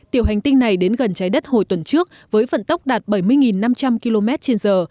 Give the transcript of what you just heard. tiểu hành tinh này đến gần trái đất hồi tuần trước với vận tốc đạt bảy mươi năm trăm linh km trên giờ